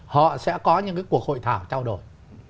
họ sẽ có những cái cuộc hội thảo trao đổi